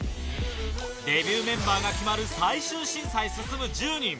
デビューメンバーが決まる最終審査へ進む１０人。